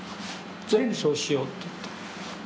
全部そうしようっていって。